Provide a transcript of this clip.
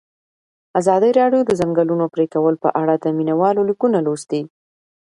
ازادي راډیو د د ځنګلونو پرېکول په اړه د مینه والو لیکونه لوستي.